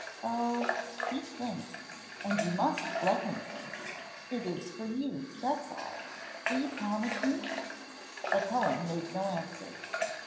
"Oh, he thinks, and you must let him think, it is for you, that's all. Will you promise me?" But Helen made no answer.